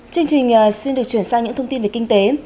chương trình xin được chuyển sang những thông tin về kinh tế